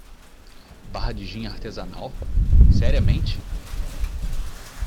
Barra de gin artesanal? seriamente?!